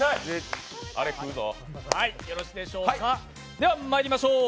ではまいりましょう。